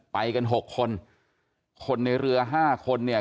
ไปกัน๖คนคนในเรือ๕คนเนี่ย